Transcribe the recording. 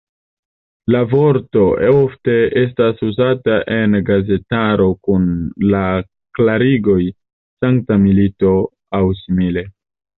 La vorto ofte estas uzata en gazetaro kun la klarigo "sankta milito" aŭ simile.